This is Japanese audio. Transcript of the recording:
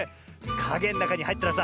かげのなかにはいったらさ